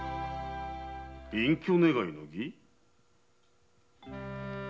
隠居願いの儀？